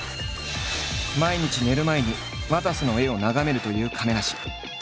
毎日寝る前にわたせの絵を眺めるという亀梨。